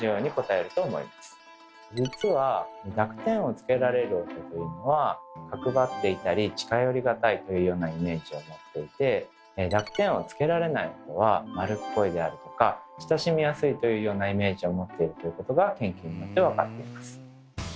実は濁点をつけられる音というのは角ばっていたり近寄りがたいというようなイメージを持っていて濁点をつけられない音は丸っこいであるとか親しみやすいというようなイメージを持っているということが研究によって分かっています。